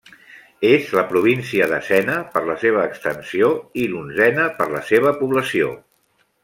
És la província desena per la seva extensió i l'onzena per la seva població.